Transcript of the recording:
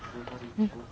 うん。